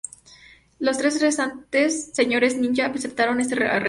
Los tres restantes señores ninja aceptaron este arreglo.